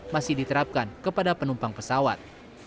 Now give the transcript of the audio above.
masih diterapkan kepada penumpang pesawat